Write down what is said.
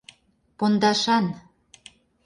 Пондашан.